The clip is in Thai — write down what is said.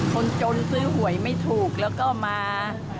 คนจนซื้อหวยไม่ถูกแล้วก็มา